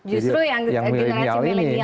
justru yang milenial ini